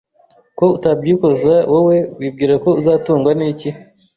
Ko utabyikoza wowe wibwira ko uzatungwa n' iki